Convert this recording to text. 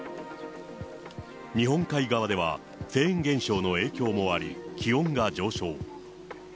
日本海側ではフェーン現象の影響もあり、気温が上昇。